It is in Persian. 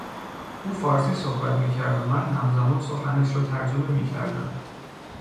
او فارسی صحبت میکرد و من همزمان سخنش را ترجمه میکردم.